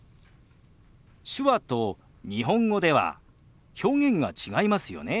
手話と日本語では表現が違いますよね。